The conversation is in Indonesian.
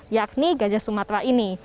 yakni geja sumatra ini